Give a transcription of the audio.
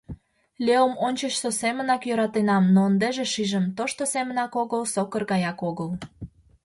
Леом ончычсо семынак йӧратенам, но ындыже шижым: тошто семынак огыл, сокыр гаяк огыл.